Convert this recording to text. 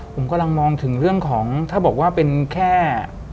ผมกำลังมองถึงเรื่องของถ้าบอกว่าเป็นแค่